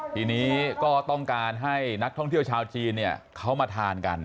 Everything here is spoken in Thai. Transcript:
ทีนี้ก็ต้องการให้นักท่องเที่ยวชาวจีนเขามาทานกัน